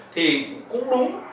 thì cũng đúng